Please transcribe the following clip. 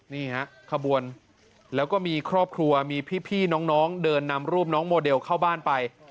นี่ฮะขบวนแล้วก็มีครอบครัวมีพี่น้องเดินนำรูปน้องโมเดลเข้าบ้านไป